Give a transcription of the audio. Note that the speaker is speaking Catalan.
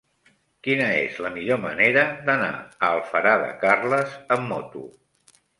Quina és la millor manera d'anar a Alfara de Carles amb moto?